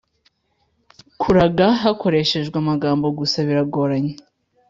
kuraga hakoreshejwe amagambo gusa biragoranye,